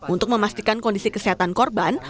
untuk memastikan kondisi kesehatan korban